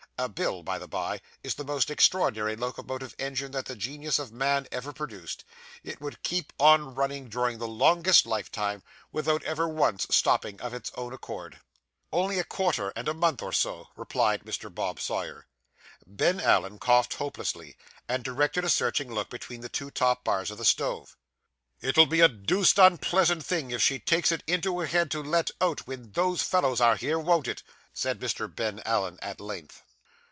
A bill, by the bye, is the most extraordinary locomotive engine that the genius of man ever produced. It would keep on running during the longest lifetime, without ever once stopping of its own accord. 'Only a quarter, and a month or so,' replied Mr. Bob Sawyer. Ben Allen coughed hopelessly, and directed a searching look between the two top bars of the stove. 'It'll be a deuced unpleasant thing if she takes it into her head to let out, when those fellows are here, won't it?' said Mr. Ben Allen at length.